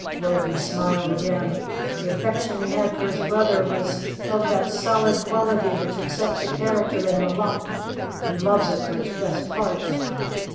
Logie smiled again. The affection he had for his brother was of that solid quality which accepts a character in the lump, and loves it for its best parts.